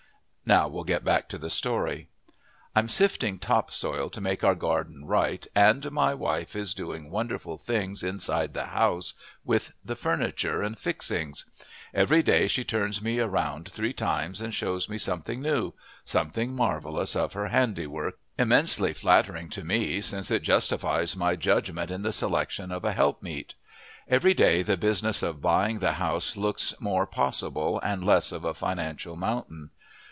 Now we'll get back to the story. I'm sifting top soil to make our garden right, and my wife is doing wonderful things inside the house with the furniture and fixings. Every day she turns me around three times and shows me something new something marvelous of her handiwork, immensely flattering to me since it justifies my judgment in the selection of a helpmeet. Every day the business of buying the house looks more possible and less of a financial mountain.